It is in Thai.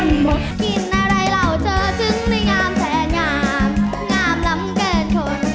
กินอะไรแล้วเจอถึงไม่งามแท้งามงามล้ำเกดคน